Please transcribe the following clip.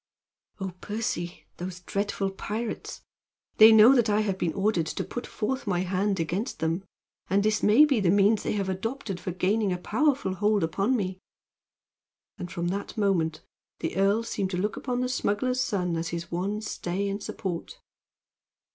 "Oh, Percy, those dreadful pirates! They know that I have been ordered to put forth my hand against them; and this may be a means they have adopted for gaining a powerful hold upon me!" And from that moment the earl seemed to look upon the smuggler's son as his one stay and support.